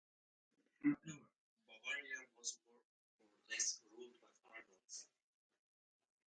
However, Bavaria was more or less ruled by Arnulf.